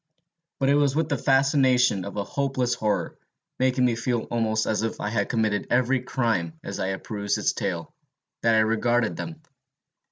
But it was with the fascination of a hopeless horror, making me feel almost as if I had committed every crime as I perused its tale, that I regarded them.